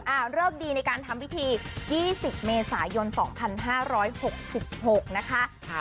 เลิกดีในการทำพิธี๒๐เมษายน๒๕๖๖นะคะ